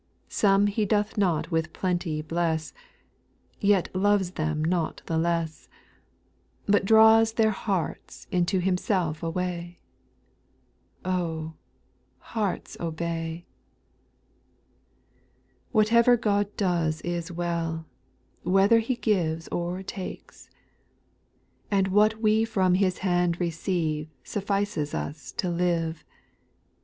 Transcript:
Some He doth not with plenty bless, Yet loves them not the less, SPIRITUAL S0N08. 175 But draws their hearts unto Himself away. — Oh I hearts obey. 2. Whatever God does is well, Whether he gives or takes ! And what we from His hand receive Suffices us to live.